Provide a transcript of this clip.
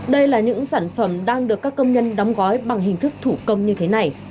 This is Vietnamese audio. đây là những sản phẩm đang được các công nhân đóng gói bằng hình thức thủ công như thế này